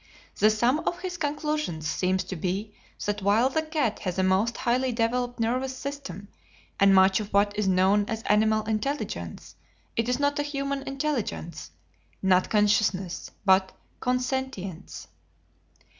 The sum of his conclusions seems to be that while the cat has a most highly developed nervous system, and much of what is known as "animal intelligence," it is not a human intelligence not consciousness, but "con sentience."